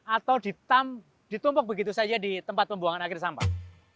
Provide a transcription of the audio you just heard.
atau ditumpuk begitu saja di tempat pembuangan akhir sampah